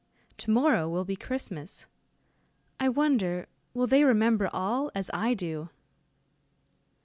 To morrow will be Christmas! I wonder, will they remember all, as I do!"